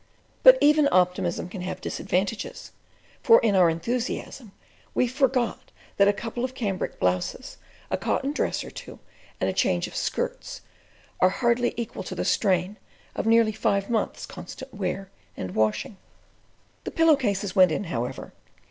But even optimism can have disadvantages; for in our enthusiasm we forgot that a couple of cambric blouses, a cotton dress or two, and a change of skirts, are hardly equal to the strain of nearly five months constant wear and washing. The pillow cases went in, however.